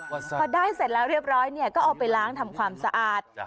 พอได้เสร็จแล้วเรียบร้อยเนี่ยก็เอาไปล้างทำความสะอาด